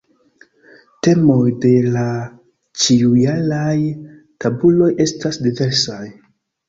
Temoj de la ĉiujaraj tabuloj estas diversaj.